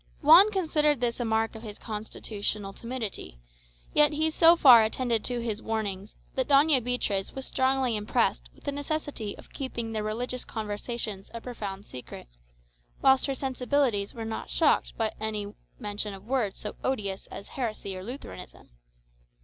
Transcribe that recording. Juan considered this a mark of his constitutional timidity; yet he so far attended to his warnings, that Doña Beatriz was strongly impressed with the necessity of keeping their religious conversations a profound secret, whilst her sensibilities were not shocked by any mention of words so odious as heresy or Lutheranism.